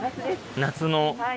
夏の。